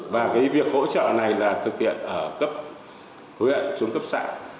và cái việc hỗ trợ này là thực hiện ở cấp huyện xuống cấp xã